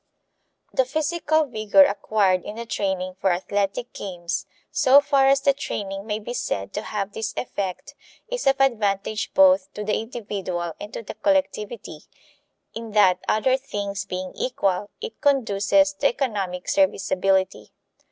The physical vigor acquired in the training for athletic games so far as the training may be said to have this effect is of advantage both to the individual and to the collectivity, in that, other things being equal, it conduces to economic serviceability.